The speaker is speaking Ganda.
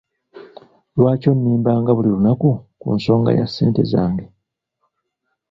Lwaki onnimbanga buli lunaku ku nsonga ya ssente zange.